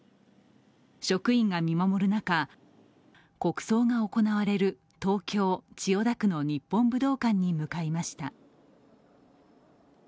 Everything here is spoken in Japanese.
職員が見守る中、国葬が行われる東京・千代田区の日本武道館に向かいました。